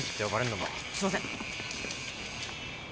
すいません。